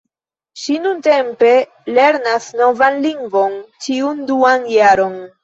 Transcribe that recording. Ŝi nuntempe lernas novan lingvon ĉiun duan jaron.